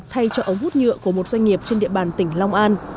thay cho ống hút nhựa của một doanh nghiệp trên địa bàn tỉnh long an